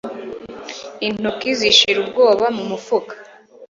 intoki zishira ubwoba mumufuka